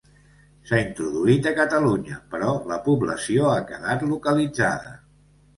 S'ha introduït a Catalunya, però la població ha quedat localitzada.